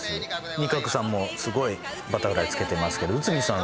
仁鶴さんもすごいバタフライ着けてますけどうつみさん